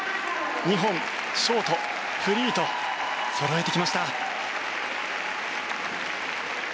２本、ショート、フリーとそろえてきました。